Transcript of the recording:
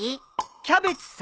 キャベツさ。